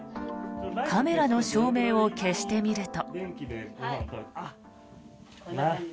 カメラの照明を消してみると。